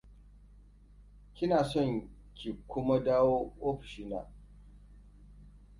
Kina son ki kuma dawowa ofishi na?